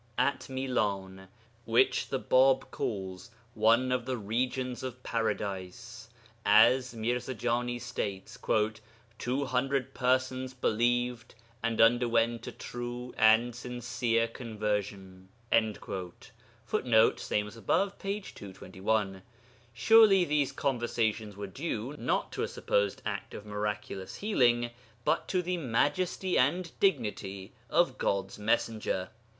At Milan (which the Bāb calls 'one of the regions of Paradise'), as Mirza Jani states, 'two hundred persons believed and underwent a true and sincere conversion.' [Footnote: Ibid. p. 221. Surely these conversions were due, not to a supposed act of miraculous healing, but to the 'majesty and dignity' of God's Messenger.